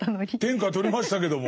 天下取りましたけども。